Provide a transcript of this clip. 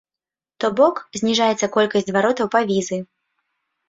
То бок, зніжаецца колькасць зваротаў па візы.